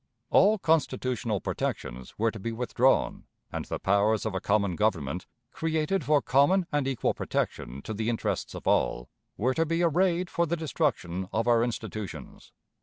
All constitutional protections were to be withdrawn, and the powers of a common government, created for common and equal protection to the interests of all, were to be arrayed for the destruction of our institutions.